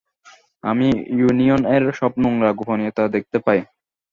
আমি ইউনিয়ন এর সব নোংরা গোপনীয়তা দেখতে পাই।